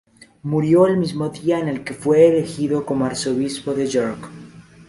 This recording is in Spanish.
Murió el mismo día en el que fue elegido como arzobispo de York.